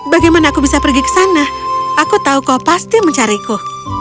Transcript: bagaimana aku bisa pergi ke sana aku tahu kau pasti mencariku